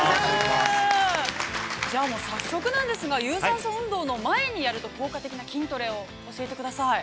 ◆じゃあ早速なんですが、有酸素運動の前にやると効果的な筋トレを教えてください。